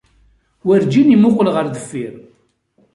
Werǧin imuqel ɣer deffir.